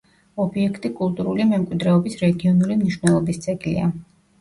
ობიექტი კულტურული მემკვიდრეობის რეგიონული მნიშვნელობის ძეგლია.